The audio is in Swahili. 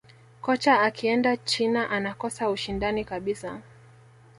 kocha akienda china anakosa ushindani kabisa